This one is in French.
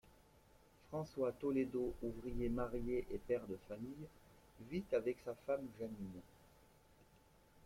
François Toledo, ouvrier marié et père de famille, vit avec sa femme Janine.